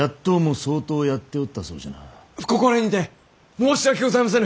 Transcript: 不心得にて申し訳ございませぬ！